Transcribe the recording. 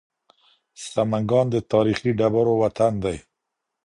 سمنګان د تاريخي ډبرو وطن دی.